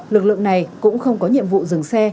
lực lượng này cũng không có nhiệm vụ dừng xe